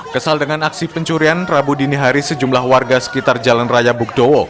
kesal dengan aksi pencurian rabu dini hari sejumlah warga sekitar jalan raya bugdowo